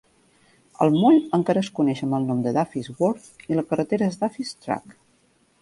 El moll encara es coneix amb el nom de Duffys Wharf i la carretera és Duffys Track.